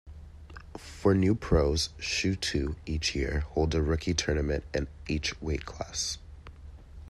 For new pros Shooto each year hold a rookie tournament in each weightclass.